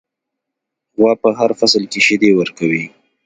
غوا په هر فصل کې شیدې ورکوي.